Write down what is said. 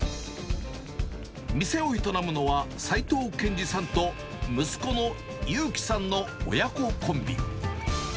店を営むのは、斉藤健次さんと息子の勇希さんの親子コンビ。